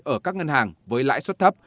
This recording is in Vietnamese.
ở các ngân hàng với lãi suất thấp